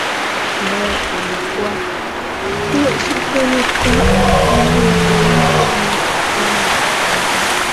moyo Ikiwa hilo si kweli kwa nini watu wengi wenye vipawa na fursa nzuri